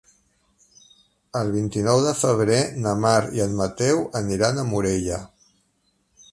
El vint-i-nou de febrer na Mar i en Mateu aniran a Morella.